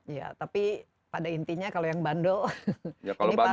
ya tapi pada intinya kalau yang bandel ini pasti ada sanksi